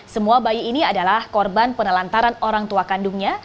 semua bayi ini adalah korban penelantaran orang tua kandungnya